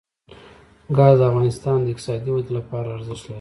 ګاز د افغانستان د اقتصادي ودې لپاره ارزښت لري.